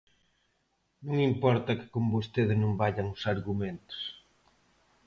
Non importa que con vostede non vallan os argumentos.